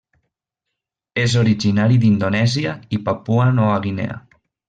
És originari d'Indonèsia i Papua Nova Guinea.